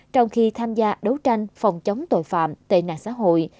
trong khi tham gia đấu tranh phòng chống tội phạm tệ nạn xã hội